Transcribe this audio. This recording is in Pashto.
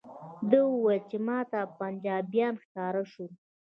ده وویل چې ماته پنجابیان ښکاره شول.